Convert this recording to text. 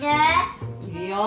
いるよ。